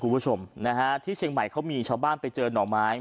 คุณผู้ชมนะฮะที่เชียงใหม่เขามีชาวบ้านไปเจอหน่อไม้